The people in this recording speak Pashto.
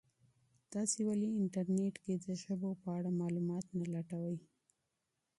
تاسي ولي په انټرنیټ کي د ژبو په اړه معلومات نه لټوئ؟